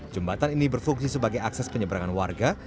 jembatan ini berfungsi sebagai akses penyeberangan warga